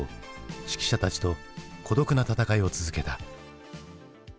識者たちと孤独な闘いを続けた。